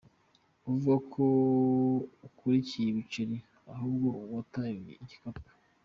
Vugako Ukurikiye Ibiceri Ahubwo Wataye Igikapu.